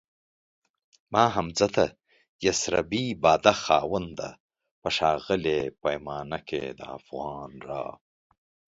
ما حمزه ته يسربی باده خاونده په ښاغلي پیمانه کي دافغان را